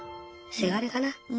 せがれかな。